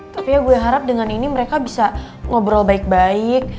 tapi ya gue harap dengan ini mereka bisa ngobrol baik baik